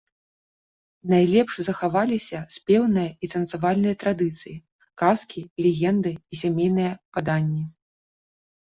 Найлепш захаваліся спеўныя і танцавальныя традыцыі, казкі, легенды і сямейныя паданні.